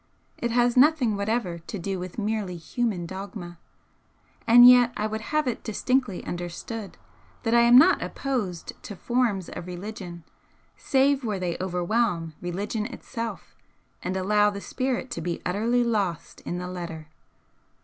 It has nothing whatever to do with merely human dogma, and yet I would have it distinctly understood that I am not opposed to 'forms' of religion save where they overwhelm religion itself and allow the Spirit to be utterly lost in the Letter.